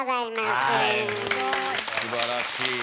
すばらしい。